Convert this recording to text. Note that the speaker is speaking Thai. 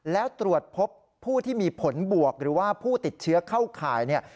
แล้วตรวจพบผู้ที่มีผลบวกหรือว่าผู้ติดเชื้อเข้าข่ายเนี่ย